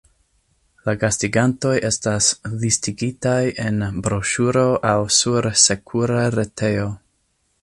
La gastigantoj estas listigitaj en broŝuro aŭ sur sekura retejo.